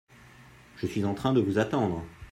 Je suis en train de vous attendre.